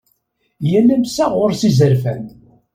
Yal amsaɣ ɣer-s izerfan.